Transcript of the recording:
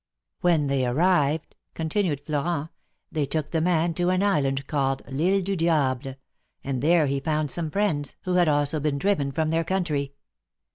When they arrived," continued Florent, " they took the man to an island called I'lle du Liable, and there he found some friends, who had also been driven from their country.